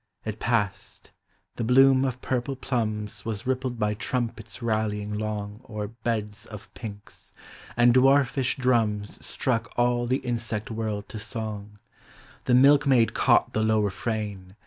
It passed : the bloom of purple plums Was rippled by trumpets rallying long O'er beds of pinks; and dwarfish drums Struck all the insect world to song: The milkmaid caught the low refrain.